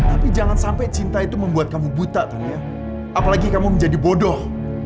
tapi jangan sampai cinta itu membuat kamu buta apalagi kamu menjadi bodoh